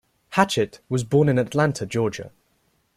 Hatchett was born in Atlanta, Georgia.